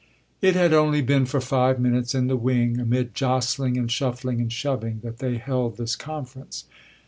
It had only been for five minutes, in the wing, amid jostling and shuffling and shoving, that they held this conference.